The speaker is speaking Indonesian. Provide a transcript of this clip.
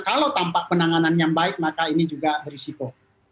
kalau tampak penanganan yang baik maka ini juga berisiko